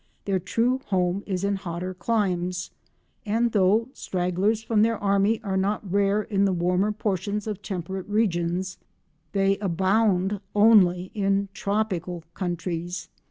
Their true home is in hotter climes, and though stragglers from their army are not rare in the warmer portions of temperate regions, they abound only in tropical countries.